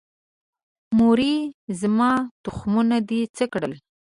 مورې، زما تخمونه دې څه کړل؟